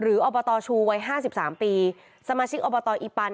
อบตชูวัยห้าสิบสามปีสมาชิกอบตอีปัน